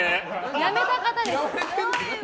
辞めた方ですよ。